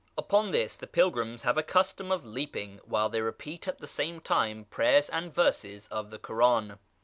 Upon this the pilgrims have a custom of leaping while they repeat at the same time prayers and verses of the Koran.